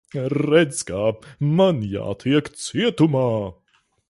Redz, kā. Man jātiek cietumā.